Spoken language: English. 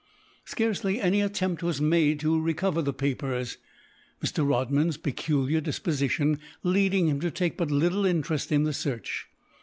Scarcely any attempt was made to recover the papers; Mr. Rodman's peculiar disposition leading him to take but little interest in the search.